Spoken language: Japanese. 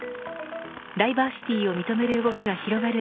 ダイバーシティーを認める動きが広がる